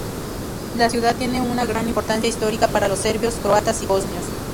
La ciudad tiene una gran importancia histórica para los serbios, croatas y bosnios.